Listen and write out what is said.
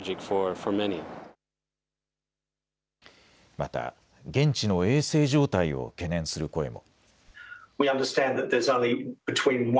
また現地の衛生状態を懸念する声も。